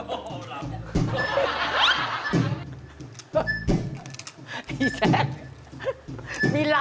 โอ้ลำ